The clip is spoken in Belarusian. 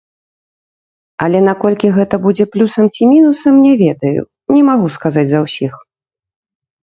Але наколькі гэта будзе плюсам ці мінусам, не ведаю, не магу сказаць за ўсіх.